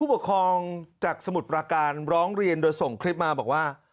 ปกครองจากสมุทรประการร้องเรียนโดยส่งคลิปมาบอกว่า